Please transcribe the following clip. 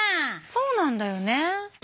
そうなんだよね。